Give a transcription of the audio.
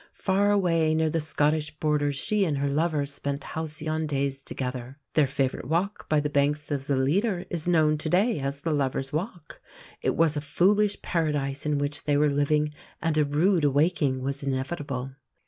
Far away near the Scottish border she and her lover spent halcyon days together. Their favourite walk by the banks of the Leader is known to day as the "Lovers' Walk." It was a foolish paradise in which they were living, and a rude awaking was inevitable.